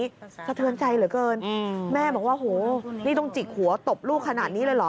สะเทือนใจเหลือเกินแม่บอกว่าโหนี่ต้องจิกหัวตบลูกขนาดนี้เลยเหรอ